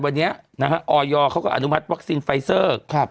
วันนี้นะฮะออยเขาก็อนุมัติวัคซีนไฟเซอร์ครับ